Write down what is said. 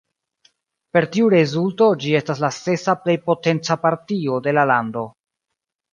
Per tiu rezulto ĝi estis la sesa plej potenca partio de la lando.